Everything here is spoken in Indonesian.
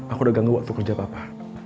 aku udah gak nge wok tuh kerja papa